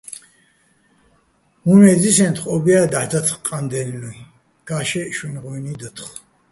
უ̂ნე́ დისენთხო̆, ო́ბია́ დაჰ̦ დათხო̆ ყანდაჲლნუჲ, ქა́შშეჸ შუჲნი̆ ღუჲნი დათხო̆.